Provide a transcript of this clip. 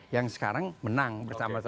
yang sekarang menang bersama sama